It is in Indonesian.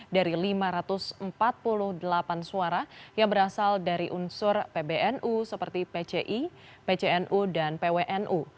dari lima ratus empat puluh delapan suara yang berasal dari unsur pbnu seperti pci pcnu dan pwnu